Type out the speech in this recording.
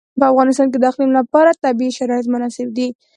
په افغانستان کې د اقلیم لپاره طبیعي شرایط مناسب دي.